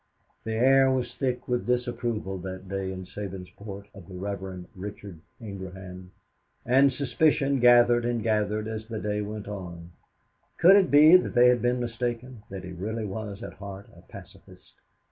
The air was thick with disapproval that day in Sabinsport of the Rev. Richard Ingraham; and suspicion gathered and gathered as the day went on. Could it be that they had been mistaken, that he really was at heart a pacifist?